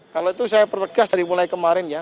kalau itu saya pertegas dari mulai kemarin ya